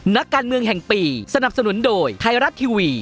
นักการเมืองแห่งปีสนับสนุนโดยไทยรัฐทีวี